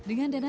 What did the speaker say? enggak ada juga